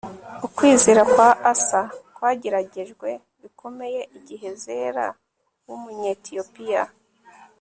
Ukwizera kwa Asa kwageragejwe bikomeye igihe Zera wUmunyetiyopiya